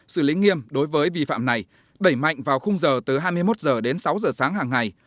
xử lý nghiêm đối với vi phạm này đẩy mạnh vào khung giờ từ hai mươi một h đến sáu h sáng hàng ngày